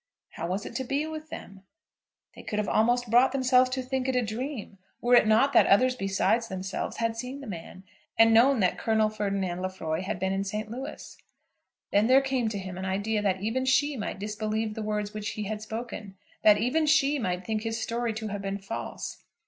How was it to be with them? They could have almost brought themselves to think it a dream, were it not that others besides themselves had seen the man, and known that Colonel Ferdinand Lefroy had been in St. Louis. Then there came to him an idea that even she might disbelieve the words which he had spoken; that even she might think his story to have been false.